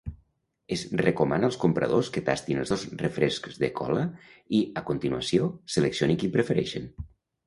Es recomana als compradors que tastin els dos refrescs de cola i, a continuació, seleccionin quin prefereixen.